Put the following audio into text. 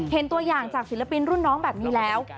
เห็นตัวอย่างจากศิลปินรุ่นน้องแบบนี้แล้ว